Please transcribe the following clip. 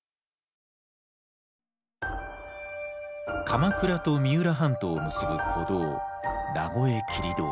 鎌倉と三浦半島を結ぶ古道名越切通。